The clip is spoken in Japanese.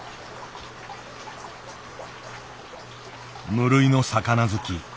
無類の魚好き。